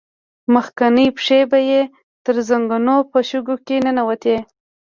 مخکينۍ پښې به يې تر زنګنو په شګو کې ننوتې.